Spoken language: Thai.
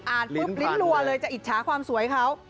อ่านพูดลิ้นลัวเลยจะอิจฉาความสวยเขา